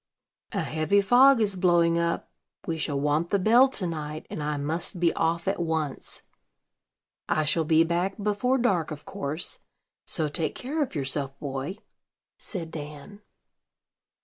"A heavy fog is blowing up: we shall want the bell to night, and I must be off at once. I shall be back before dark, of course; so take care of yourself, boy," said Dan.